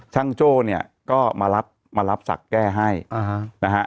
ช่างโจ้เนี่ยก็มารับศักดิ์แก้ให้นะฮะ